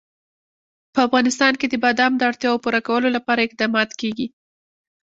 په افغانستان کې د بادام د اړتیاوو پوره کولو لپاره اقدامات کېږي.